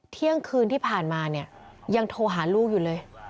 เที่ยงคืนที่ผ่านมาเนี่ยยังโทรหาลูกอยู่เลย